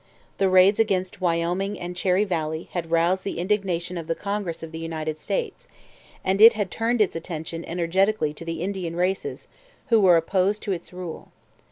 The raids against Wyoming and Cherry Valley had roused the indignation of the Congress of the United States, and it had turned its attention energetically to the Indian races who were opposed to its rule.